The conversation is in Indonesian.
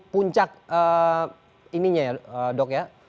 puncak ininya ya dok ya